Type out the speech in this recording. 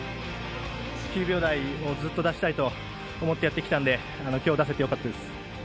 ９秒台をずっと出したいと思ってやってきたので、きょう出せてよかったです。